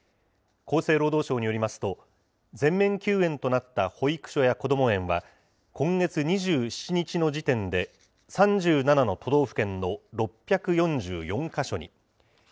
厚生労働省によりますと、全面休園となった保育所やこども園は、今月２７日の時点で３７の都道府県の６４４か所に。